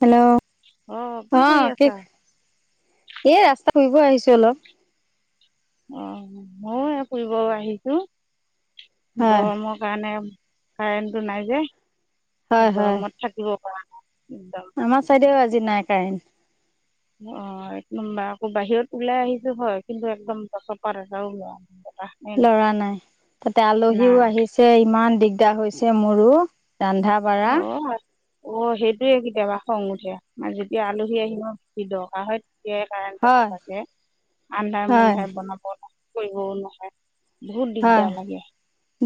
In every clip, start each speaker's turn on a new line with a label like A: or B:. A: Hello অ কি এ ৰাস্তা ঘুৰিব আহিছো অলপ।
B: অ মই ফুৰিব আহিছোঁ।
A: হয়
B: গৰমৰ কাৰণে কাৰেণ্টটো নাই যে।
A: হয় হয়
B: গৰমত থাকিব পৰা নাই একদম
A: আমাৰ চাইদেও আজি নাই কাৰেণ্ট।
B: অ এক নম্বাৰ আকৌ বাহিৰত ওলাই আহিছো হয় কিন্তু একদম গছৰ পাত এটাও লৰা নাই।
A: লৰা নাই। তাতে
B: নাই
A: আলহীও আহিছে, ইমান দিগদাৰ হৈছে মোৰো।
B: অ
A: ৰন্ধাবাৰা।
B: অ সেইটোৱে কেতিয়াবা খং উঠে। মানে যেতিয়া আলহী আহিব দৰকাৰ হয় তেতিয়াই কাৰেণ্টটো
A: হয়
B: না। আন্ধাৰ
A: হয়
B: মুন্ধাই বনাব কৰিবও নহয়। বহুত
A: হয়
B: দিগদাৰ লাগে।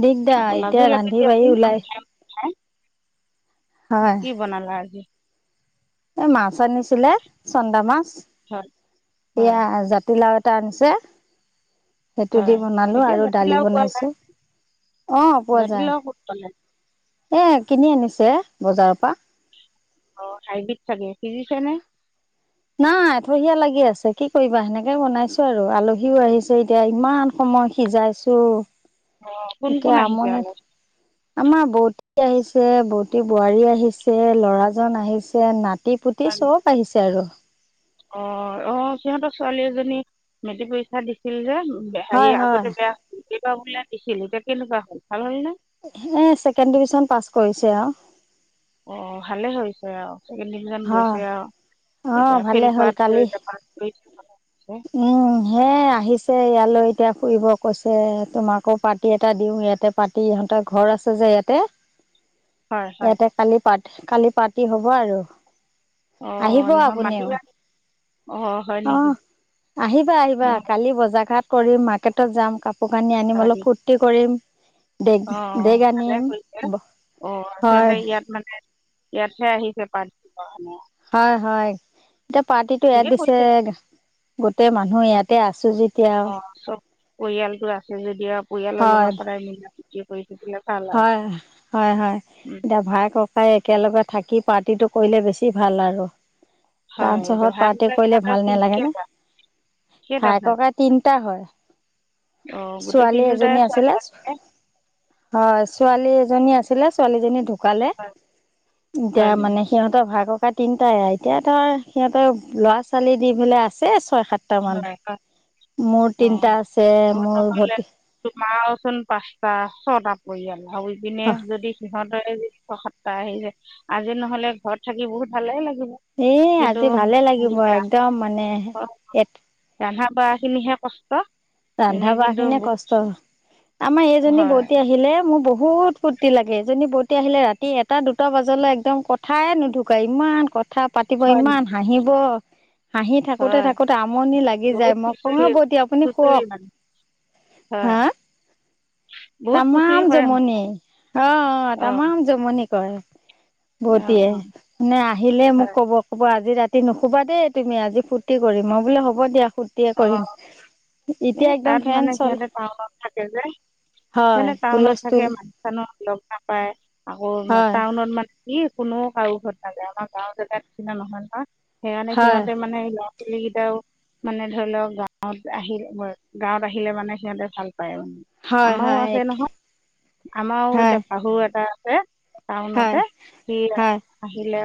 A: দিগদাৰ
B: আকৌ
A: এতিয়া
B: লাজো লাগে
A: ৰান্ধি বাঢ়ি ওলাই
B: দিয়কচোন। কি বনালা আজি?
A: এ মাছ আনিছিলে, চন্দা মাছ।
B: হয় হয়
A: এয়া জাতিলাও এত টানছে, সেইটো দি
B: হয়
A: বনালো আৰু দালি বনাইছো। অ পোৱা
B: জাতি
A: যায়
B: লাও কত পালে?
A: এ কিনি আনিছে বজাৰৰ পৰা।
B: অ হাইব্ৰিড চাগে হিজিছে নে
A: নাই থহিয়া লাগি আছে কি কৰিবা সেনেকে বনাইছো আৰু আলহীও আহিছে এতিয়া ইমান সময় সিজাইছো
B: অঁ কোন
A: একে
B: কোন আহিছে
A: আমনী লাগে আমাৰ বৌ আহিছে বৌটি বোৱাৰী আহিছে ল'ৰাজন আহিছে নাট পুতি পুতি চব আহিছে আৰু
B: অ অ সিহঁতৰ ছোৱালী এজনী মেট্ৰিক পৰীক্ষা দিছিল যে
A: হয়
B: সেই
A: হয়
B: আগতে বেয়া হল কেইবাৰ বোলে দিছিল এতিয়া কেনেকুৱা হ'ল ভাল হ'ল নে
A: এ ছেকেণ্ড ডিভিছন পাছ কৰিছে আউ
B: অ ভালে হৈছে আৰু ছেকেণ্ড ডিভিজন
A: হয়
B: গৈছে আৰু
A: অ
B: এতিয়া
A: ভালে
B: ফেল
A: হ'ল
B: কৰাতকৈ
A: কালি
B: এতিয়া পাছ কৰি
A: উম হে আহিছে ইয়ালৈ এতিয়া ফুৰিব কৈছে তোমাকো পাৰ্তি এটা দিওঁ ইয়াতে পাতি এটা ঘৰ আছে যে ইয়াতে
B: [inaudible] হয় হয়
A: ইয়াতে কালি পা কালি পাৰ্টি হব আৰু
B: অ
A: আহিব
B: নহয়
A: আপুনিও
B: মাটিবা নেকি হয়
A: অহ
B: নেকি?
A: আহিবা আহিবা কালি বজাৰ ঘাট কৰিম মাৰ্কেটত যাম কাপোৰ কানি আনিম অলপ ফূুৰ্তি কৰিম ডেগ
B: অ অ
A: ডেগ
B: ভালে
A: আনিম
B: হৈছে অ
A: হয়
B: আচলতে ইয়াত মানে ইয়াতহে আহিছে পাৰতি দিব আমক
A: হয় হয় এতিয়া পাৰ্টিটো ইয়াত
B: ঠিকে
A: দিছে
B: কৰিছে
A: গোটেই মানুহ ইয়াতে আছো যেতিয়া
B: অ চব পৰিয়ালটো আছো যেতিয়া পৰিয়ালৰ
A: হয়
B: লগত সদায় মিলা প্ৰীতিৰে কৰি থাকিলে ভাল আৰু
A: হয় হয় হয়
B: উম,
A: এতিয়া ভাই ককাই একেলগে থাকি পাত পাৰ্টিটো কৰিলে বেছি ভাল আৰু ডান
B: হয়
A: চহৰত
B: দহা
A: পাৰ্টি কৰিলে
B: কুকুৰা
A: ভাল নালাগে নে
B: কেইটা কেইটা
A: ভাই
B: ভাগ
A: ককাই তিনিটা হয়
B: অ গোটেই
A: ছোৱালী
B: তিনিওটাই
A: এজনী
B: ছোৱালী
A: আছিলে হয় ছোৱালী এজনী আছিলে ছোৱালীজনী ঢুকালে
B: হয়
A: এতিয়া
B: হয় নেকি
A: মানে সিহঁতৰ ভাই ক কাই তিনটাই এতিয়া ধৰ সিহঁতৰ ল'ৰা ছোৱালী দি পেলায় আছে ছয় সাতটা মান
B: হয় হয় অ অ
A: মোৰ
B: নহলে
A: ভতি
B: তোমাৰচোন পাঁচটা ছটা পৰিয়াল উ পিনে যদি সিহঁত সাত্তাহ আহিছে যায় আজি নহলে ঘৰত থাকি বহুত ভালে লাগে
A: এ আজি ভালে লাগিব একদম মানে
B: ৰন্ধা বঢ়া খিনিহে কষ্ট এনে
A: ৰন্ধা বঢ়া
B: কিন্তু
A: খিনিয়
B: বহুত
A: কষ্ট আমাৰ এইজনী
B: হয়
A: বৌতী আহিলে মোৰ বহুত বহুত ফূৰ্তি লাগে এজনী ফুৰৰ্তি আহিলে ৰাতি এটা দুটা বজালে একদম কথাই নুঢুকাই ইমান কথা কথা পাতিব
B: হয়
A: ইমান
B: নেকি?
A: হাঁহিব হাঁহি থাকোতে
B: হয়
A: থাকোতে আমনি লাগি
B: বহুত
A: যায় মই
B: খুচৰি
A: কও বৌ দি আপুনি
B: খুচৰি
A: হুওক
B: হয় বহুত খুচৰি
A: তামাম
B: কৰে মানে
A: জমনি অ
B: অঁ
A: তামাম জমনি ক
B: অঁ
A: বৌতিয়ে
B: অঁ
A: মানে আহিলে মোক
B: হয়
A: কব ক'ব আজি ৰাতি ফু্তি নুহুবা দেই তুমি আজি ফূৰ্তি কৰিম অ বোলে হ'ব দিয়া ফূৰ্তিয়ে কৰিম
B: এ
A: এতিয়া একদম
B: তাত
A: ফেন
B: মানে
A: চল
B: সিহঁতে টাউনত থাকে যে
A: হয়
B: সনে টাউনত থাকে
A: হুলস্থুল
B: মানুহ চানুহ লগ নাপায় আকৌ
A: হয়
B: টাউনত মানে কি কোনো কাৰো ঘৰত নাযায় আমাৰ গাও জেগা তাত নিচিনা নহয় ন সেইকাৰণে
A: হয়
B: সিহঁতে মানে ছোৱালী কেইটাও মানে ধৰি লওক গাঁৱত আহিল গাঁৱত আহিলে মানে সিহঁতে ভাল
A: হয়
B: আমাৰো
A: হয়
B: আছে নহয় আমাৰো
A: হয়
B: এতিয়া শাহু এটা আছে
A: হয়
B: টাউনতে সি
A: হয়
B: আহিলে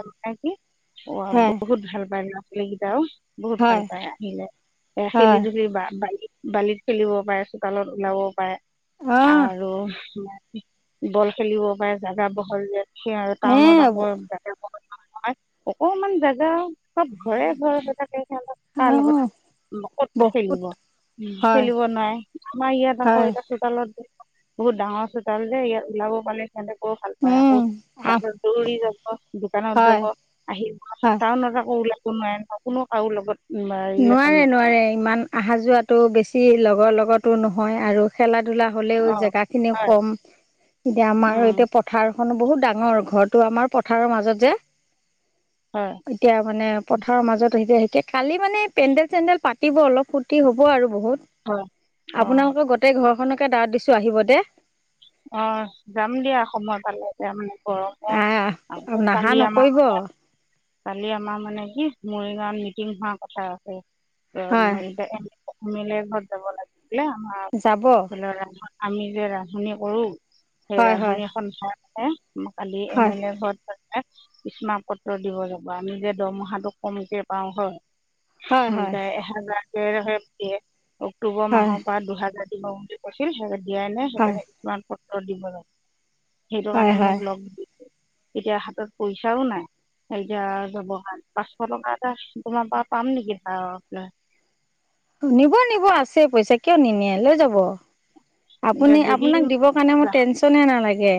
B: অ
A: হয়
B: বহুত ভাল পাই লৰা ছোৱালীকেইটাও বহুত ভাল
A: হয়
B: পায় আহিলে এ খেলি
A: হয়
B: ধূলি বা বালি বালিত খেলিব পাৰে চোতালত ওলাব পাৰে
A: অহ
B: আৰু বল খেলিব পাৰে, জোগা বহল যে সেই আৰু
A: এ
B: টাউনত আকৌ অকনমান জেগা চব ঘৰে ঘৰে থাকে অল তাৰ
A: অহ
B: লগত। ক'ত
A: বহুত
B: খেলিব উম
A: হয়
B: খেলিব নোৱাৰে আমাৰ ইয়াত
A: হয়
B: আকৌ এতিয়া চোতালত। বহুত ডাঙৰ চোতাল যে, ইয়াত ওলাব পালে সিহঁতেকও ভাল পায় আকৌ
A: উম আহ
B: বাটত দৌৰি যাব। দোকানত যাব
A: হয়
B: আহিব
A: হয়
B: টাউনত আকৌ ওলাব নোৱাৰে নহয় কোনো কাৰো লগত ৰিলেশ্যন
A: নোৱাৰে
B: নকৰে
A: নোৱাৰে, ইমান অহা যোৱাটো বেছি লগৰ লগতো নহয় আৰু খেলাত ধোলা হ'লেও
B: অঁ
A: জেগা খিনি
B: হয়
A: কম এতিয়া আমাৰ
B: উম
A: এতিয়া পথাৰ এখনো বহুত ডাঙৰ ঘৰটো আমাৰ পথাৰৰ মাজত যে
B: হয়
A: এতিয়া মানে পথাৰৰ মাজত আহি সে কালি মানে পেণ্ডেল, চেণ্ডেল পাতিব অলপ ফূ্তি হ'ব আৰু বহুত
B: হয় অঁ
A: আপোনালোকৰ গোটেই ঘৰখনকে দাৱত দিছো আহিব দে
B: অঁ যাম দিয়া সময় পালে যাম। গৰমো আৰু
A: আহ নাহা
B: কালি আমাৰ
A: নকৰিব
B: মানে কালি আমাৰ মানে কি মৰিগাঁৱত মিটিং হোৱা কথা আছে।
A: হয়
B: অসমীয়া লে ঘৰত যাব লাগিছিলে আমাৰ
A: যাব
B: ধৰি ল আমি যে ৰান্ধি কৰো সে
A: হয় হয়
B: ৰান্ধনী সন্থা এ কালি এম
A: হয়
B: এ লে ঘৰত স্মাক পত্ৰ দিব যাব আমি যে দৰমহাটো কমকে পাও হয়।
A: হয় হয়
B: দাই এহেজাৰ কেহে দিয়ে অক্টোবৰ
A: হয়
B: মাহৰ পৰা দুহেজাৰ থওঁ বোলি কৈছিল হেই জাতিয়াই
A: হয়
B: কিছুমান পত্ৰ দিব লাগে। সেইটো
A: হয়
B: কাৰণে
A: হয়
B: মোক লগ দি এতিয়া হাতত পইচাঁও নাই সেইতিয়া যাব পাঁচশ টকা এটা তোমাৰ পৰা পাম নেকি বাৰ ল
A: নিব নিব আছে। পইচাঁ কিয় নিনিয়ে লৈ যাব।
B: এতিয়া
A: আপুনি
B: যদি
A: আপোনাক দিবৰ কাৰণে মোৰ টেনচনে নালাগে।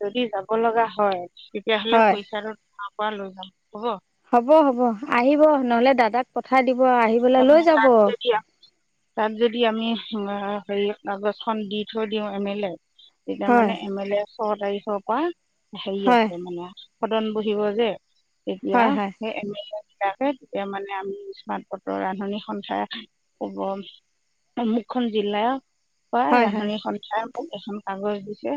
B: যদি যাব লগা হয়। তেতিয়া হ'লে
A: হয়
B: পইচাটো মা পৰা লৈ যাম হ'ব
A: হ'ব হ'ব আহিব নহলে দাদাক পঠাই দিব আহি পেলাই লৈ
B: তাৰমানে
A: যাব।
B: তাত যদি তাত যদি আমি হেৰি কাগজ খন দি থৈ দিওঁ এম এল এক তেতিয়া
A: হয়
B: মানে এম এ লে ছয় তাৰিখৰ পৰা হেৰি
A: হয়
B: আছে মানে সদন বহিব যে তেতিয়া
A: হয় হয়
B: সেইম এল বিলাকে তেতিয়া মানে আমি বতৰ ৰান্ধনী সন্থাৰ হব অমুকখন জিলা অই
A: হয় হয়
B: ৰান্ধনী সন্থাই মোক এখন কাগজ দিছে,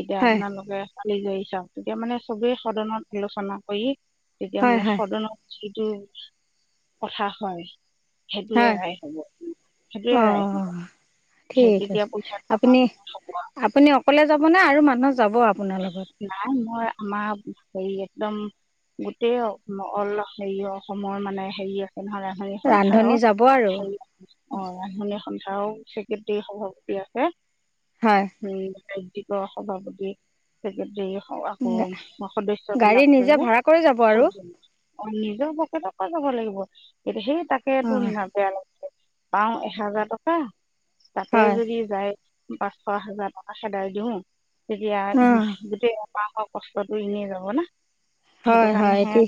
B: এতিয়া
A: হয়
B: আপোনালোকে কৰি যাই চাওঁ তেতিয়া মানে চবেই সদনত আলোচনা কৰি তেতিয়া
A: হয়
B: মানে
A: হয়
B: সদনত সেইটো কথা হয়। সেইটোৱে
A: হয়
B: ৰাইট হব, সেইটোৱে ৰাইট
A: অঁ
B: হব। সেই
A: ঠিক
B: তেতিয়া
A: আছে।
B: পইচা জমা
A: আপুনি
B: হ'ব
A: আপুনি অকলে যাব নে আৰু মানুহ যাব আ
B: নাই মই আমাৰ হেৰি একদম গোটেই অল হেৰি অসমৰ মানে হেৰি নহয় ৰান্ধনী সন্থাৰৰ
A: ৰান্ধনী যাব আৰু
B: হে অ ৰান্ধনী সন্থা কথাও স্বীকৃতি সভাপতি আছে
A: হয়
B: উম সভাপতি চেক্ৰটাৰী আকৌ সদস্য
A: গাড়ী
B: বিলাকে
A: নিজে
B: যে
A: ভাড়া কৰি যাব আৰু
B: অঁ নিজৰ পকেটকৈ যাব লাগিব কিন্তু সেই তাকে তো
A: হয়
B: বেয়া লাগিছে। পাওঁ এহোজাৰ টকা তাতে
A: হয়
B: যদি যায়--' পাঁচশ এহাজাৰ টকা হে দাইক দিওঁ তেতিয়া
A: অঁ
B: কষ্টতটো এনে যাব না সেইটো
A: হয় হয়
B: কাৰণেহে
A: এটি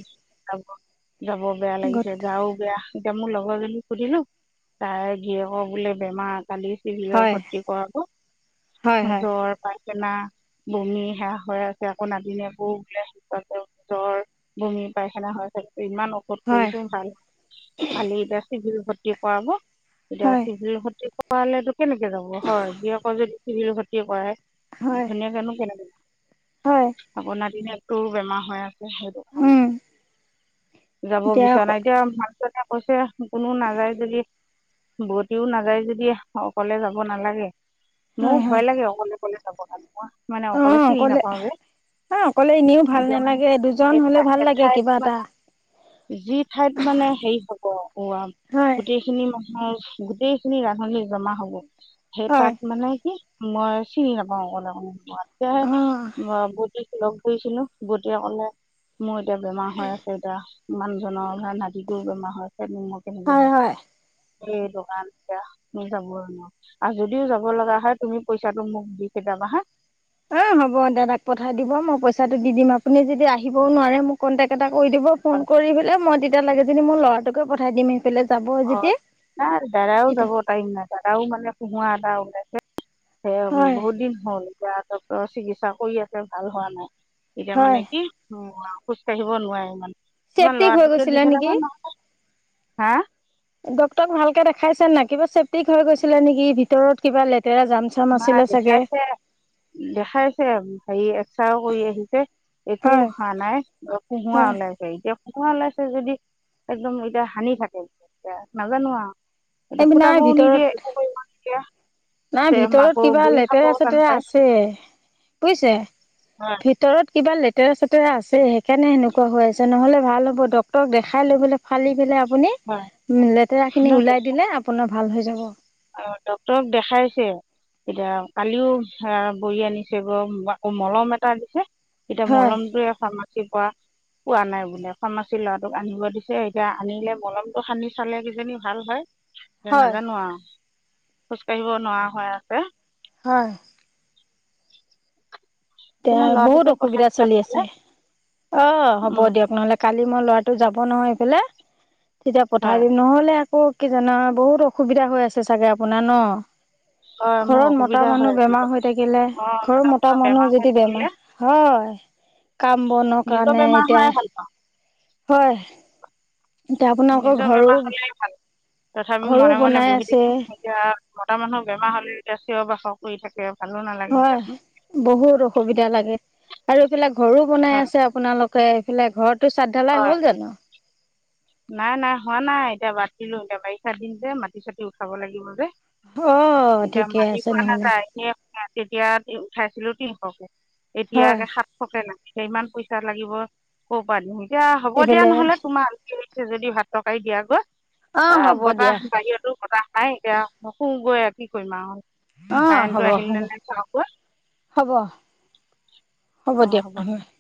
B: যাব বেয়া লাগিছে গা বেয়া। এতিয়া মোৰ লগৰজনীক সুধিলো তাই গীয়েকৰ বোলে বেমাৰ কালি চিবিৰৰে
A: হয়
B: ভৰ্তি কৰালো
A: হয় হয়
B: জ্বৰ পাইছে না বমি সেয়া হৈ আছে আকৌ নাতিনে একো বোলে আ নিজৰ বমি পায়খানা হৈ আছে ইমান ঔষধ
A: হয়
B: কৰিছো ভাল ভালি এতিয়া চিভিৰ ভৰ্তি কৰাব এতিয়া
A: হয়
B: চিভিৰ খতি কৰালে কেনেকে যাব হয় যক যদি চিভিৰৰ খতি কৰাই
A: হয়
B: ঘৈণীয়েকে নো কেনেকে দিয়ে?
A: হয়
B: আকৌ নাতিনীয়েকতো বেমাৰ হৈ আছে।
A: উম
B: যাব
A: এতিয়া
B: বিচৰা
A: আকৌ
B: নাই এতিয়া মাকজনীয়ে কৈছে কোনো নাযায় যদি বৌটিও নাযায় যদি অকলে যাব নালাগে। মো
A: হয় হয়
B: ভয় লাগে অকলে অকলে যাব কাৰণে মই মানে অকলে চিনি নাপাওঁ যে।
A: হে অকলে এনেও ভাল
B: এতিয়া মানে
A: নেলাগে দুজন হ'লে
B: এঠাই
A: ভাল লাগে
B: এঠাইত
A: কিবা এটা
B: মানে যি ঠাইত মানে হেৰি হ'ব ৱা
A: হয়
B: গোটেইখিনি মান গোটেই খিনি ৰান্ধনি জমা হ'ব সেই
A: হয়
B: তাত মানে কি মই চিনি নাপাওঁ অলেণে [unintelligible]
A: অ
B: মই তেতিয়াহে ব লগ কৰিছিলো বোতিয়ে ক'লে মোৰ এতিয়া বেমাৰ হৈ আছে এতিয়া মানুহজনৰ ঘৰৰ নাটিটো বেমাৰ হৈছে মই কেনেকৈ
A: হয়
B: যাওঁ
A: হয়
B: উম দোকান এয়া মই যাব নোৱাৰো আৰু যদিও যাব লগা হয় তুমি পইচাটো মোক দি [unintelligible]
A: এ হ'ব, দাদাক পঠাই দিব, মই পইচাটো দি দিম, আপুনি যদি আহিবও নোৱাৰে মোক কণ্টেক্ট এটা কৰি দিব ফোন কৰি পেলাই মই তেতিয়া লাগে যদি মোৰ ল'ৰাটোকে পঠাই দিম সেইফালে যাব
B: অ
A: যেতিয়া
B: নাই দাদাও
A: তেতিয়া
B: যাব টাইম নাই দাদাও মানে কুহোঁৱা এটা ওলাইছে। সে
A: হয়
B: বহুত দিন হ'ল এতিয়া ডক্তৰ চিকিৎসা কৰি আছে ভাল হোৱা নাই এতিয়া মানে
A: হয়
B: কি উ খোজ কঢ়িব নোৱাৰে ইমান তোমাৰ
A: চেফটিক হৈ
B: ল'ৰাটোকে
A: গৈছিলে
B: দিঠৈ যাব নহ'লে হা
A: ডক্টৰক ভালকে দেখাইছে নাই? কিবা চেফ্টিক হৈ গৈছিলে নেকি ভিতৰত কিবা লেতে
B: দেখাইছে দেখাইছে হেৰি এক্সাৰও কৰি আহিছে একো
A: হয়
B: হোৱা নাই কুহোঁৱা
A: হয়
B: ওলাইছে এতিয়া কুহোঁৱা ওলাইছে যদি একদম এতিয়া হানি থাকে এতিয়া নাজানো আৱ
A: এই
B: এতিয়া
A: নাই
B: ফুতাবও নিদিয়ে একো কৰিব নিদিয়ে।
A: এ
B: তে
A: ভিতৰত
B: আকৌ
A: কিবা
B: গুৰি
A: লেতেৰা
B: খাবও টান
A: চেতেৰা
B: পায়
A: আছে বুয়িছে
B: হয়
A: ভিতৰত কিবা লেতেৰা চেতেৰা আছে সেইকাণে সেনেকুৱা হৈ আছে নহ'লে ভাল হ'ব ডক্তৰক দেখাই লৈ পেলাই ফালি পেলাই আপুনি
B: হয়
A: লেতেৰা খিনি
B: ন
A: উলাই দিলে আপোনাৰ ভাল হৈ যাব।
B: ডক্তৰক দেখাইছে এতিয়া কালিও হা বৰি আনিছে গৈ আকৌ মলম এটা দিছে। এতিয়া
A: হয়
B: মলমটোয়ে এখন মাখি পৱা পোৱা নাই বোলে ফাৰ্মাচীৰ ল'ৰাটোক আনিব দিছে এতিয়া আনিলে মলমটো সানি চালে কি জানি ভাল হয় এতিয়া
A: হয়
B: নাজানো আৱ খোজ কাঢ়িব নোৱাৰা হৈ আছে
A: হয়। এতিয়া
B: তোমাৰ
A: বহুত
B: ল'ৰাটোকে পঠাই
A: অসুবিধাত
B: দিবা
A: চলি আছে।
B: নহ'লে
A: অ হ'ব
B: উম,
A: দিয়ক নহ'লে কালি মই ল'ৰাটো যাব নহয় এইফালে তেতিয়া পঠাই
B: হয়
A: দিম নহ'লে অ কি জানা বহুত অসুবিধা হৈ আছে চাগে আপোনাৰ ন?
B: হয় মোৰ
A: ঘৰত মতা
B: অসুবিধা
A: মানুহ
B: হয়
A: বেমাৰ হৈ থাকিলে
B: অঁ
A: ঘৰৰ মতা মানুহ
B: বেমাৰ
A: য
B: হৈ
A: বেমাৰ
B: থাকিলে
A: হয় কাম বনৰ
B: নিজৰ
A: কাৰণে
B: বেমাৰ
A: এতিয়া
B: হোৱাই ভাল পাওঁ
A: হয় এতিয়া আপোনালোকৰ
B: নিজৰ
A: ঘৰো
B: বেমাৰ হ'লে ভাল তথাপিও
A: ঘৰো
B: মনে মনে
A: বনাই
B: বহি
A: আছে
B: থাকিম এতিয়া মতা মানুহ বেমাৰ হ'লে এতিয়া চিঞৰ বাখৰ কৰি থাকে। ভালো নালাগে
A: হয়
B: দিয়াচোন
A: বহুত অসুবিধা লাগে আৰু এইফালে ঘৰো বনাই
B: হয়
A: আছে আপোনালোক এইফালে ঘৰটো চাদ ঢালাই
B: হয়
A: হ'ল জানো
B: নাই নাই হোৱা নাই এতিয়া বাদ দিলো এতিয়া বাৰিষা দিন যে মাটি চাটি উঠাব লাগিব যে
A: অ
B: এতিয়া
A: ঠিকে
B: মাতি
A: আছে
B: পোৱা
A: নহ'লে
B: নাযায় এ তেতিয়া উঠাইছিলো এতিয়া
A: হয়
B: একে সাতশকে লাগে ইমান পইচা লাগিব কৰ পা দিম এতিয়া হ'ব দিয়া
A: এইফালে
B: নহ'লে, তোমাক দেৰি হৈছে যদি ভাত তৰকাৰী দিয়া গৈ।
A: অ
B: এ
A: হ'ব দিয়া
B: বতাহ বাহিৰতো বতাহ নাই এতিয়া শুগৈ আৰু কি কৰিম আৱ।
A: অ হ'ব হ'ব
B: অঁ হ'ব
A: হ'বহ [inaudible]